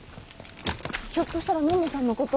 ひょっとしたらのんのさんのこと。